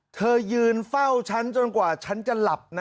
เธอยืนเฝ้าฉันจนกว่าฉันจะหลับนะ